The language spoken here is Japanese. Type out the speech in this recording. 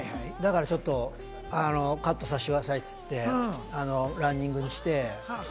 だからちょっとカットさせてくださいって言って、ランニングにして。